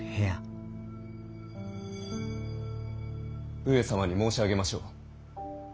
上様に申し上げましょう。